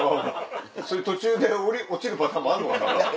途中で落ちるパターンもあるのかなって。